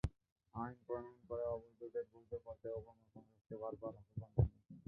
আইন প্রণয়ন করে অবৈধদের বৈধ করতে ওবামা কংগ্রেসকে বারবার আহ্বান জানিয়েছেন।